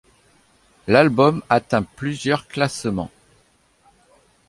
L'album atteint plusieurs classements.